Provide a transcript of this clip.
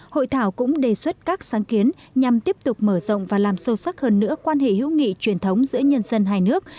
hội thảo cũng đề xuất các sáng kiến nhằm tiếp tục mở rộng và làm sâu sắc hơn nữa quan hệ hữu nghị truyền thống giữa nhân dân hai nước